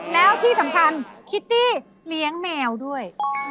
แล้วที่สำคัญคิตตี้เลี้ยงแมวด้วย